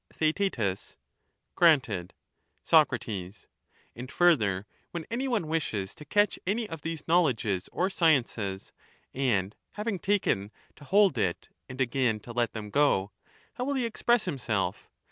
(»)^^« <J« Theaet Granted. the cage; 198 Soc, And further, when any one wishes to catch any of (3) the these knowledges or sciences, and having taken, to hold it, ^for^ and again to let them go, how will he express himself?